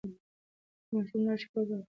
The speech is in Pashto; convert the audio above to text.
که ماشوم لاړ شي، کور به خالي ښکاري.